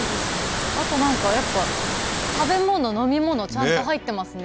あと何かやっぱ食べ物飲み物ちゃんと入ってますね。